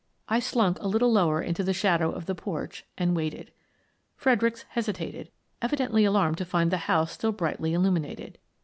I slunk a little lower into the shadow of the porch and waited. Fredericks hesitated, evidently alarmed to find the house still brightly illuminated.